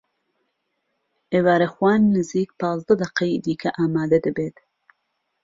ئێوارەخوان نزیک پازدە دەقەی دیکە ئامادە دەبێت.